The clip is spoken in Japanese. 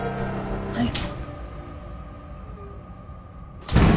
はい。